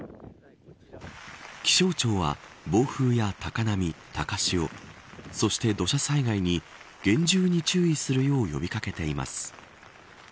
気象庁は暴風や高波、高潮そして土砂災害に厳重に注意するよう呼び掛けています。